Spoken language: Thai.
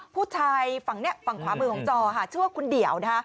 ผู้ชายฝั่งขวามือของจอชื่อว่าคุณเดี่ยว